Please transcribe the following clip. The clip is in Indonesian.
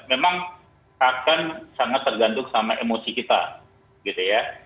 memang akan sangat tergantung sama emosi kita